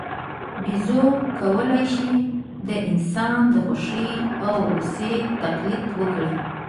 بیزو کولای شي د انسان د خوښۍ او غوسې تقلید وکړي.